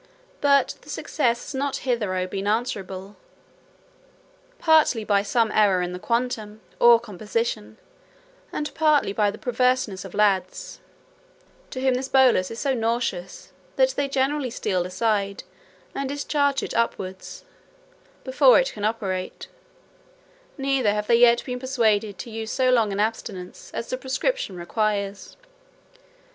But the success has not hitherto been answerable, partly by some error in the quantum or composition, and partly by the perverseness of lads, to whom this bolus is so nauseous, that they generally steal aside, and discharge it upwards, before it can operate; neither have they been yet persuaded to use so long an abstinence, as the prescription requires.